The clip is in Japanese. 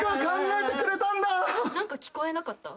何か聞こえなかった？